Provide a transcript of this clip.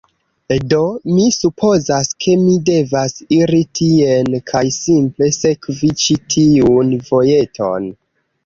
Do, mi supozas, ke mi devas iri tien kaj simple sekvi ĉi tiun vojeton